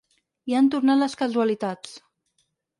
I han tornat les casualitats.